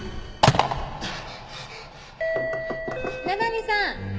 七海さん！